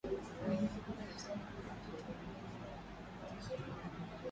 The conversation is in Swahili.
na watu binafsi Imekuwa ikitoa majarida na vitabu